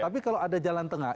tapi kalau ada jalan tengah